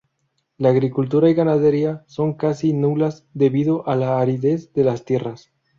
La agricultura y ganadería son casi nulas, debido a la aridez de las tierras.